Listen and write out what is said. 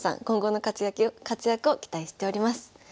今後の活躍を期待しております。